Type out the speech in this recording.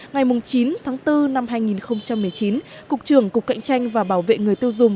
ngày chín tháng bốn năm hai nghìn một mươi chín cục trưởng cục cạnh tranh và bảo vệ người tiêu dùng